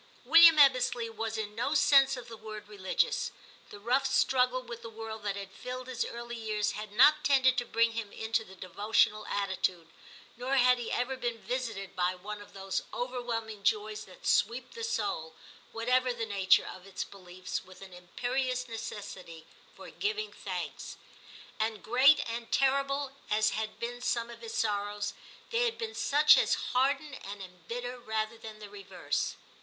William Ebbesley was in no sense of the word religious ; the rough struggle with the world that had filled his early years had not tended to bring him into the devotional atti tude, nor had he ever been visited by one of XII TIM 289 those overwhelming joys that sweep the saul, whatever the nature of its beliefs, with an imperious necessity for giving thanks. And great and terrible as had been some of his sorrows, they had been such as harden and embitter rather than the reverse.